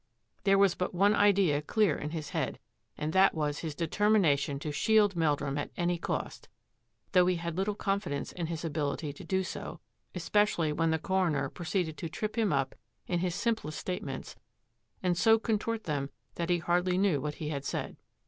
There was but one idea clear in his head and that was his determina tion to shield Meldrum at any cost, though he had little confidence in his ability to do so, especially when the coroner proceeded to trip him up in his simplest statements and so contort them that he hardly knew what he had said.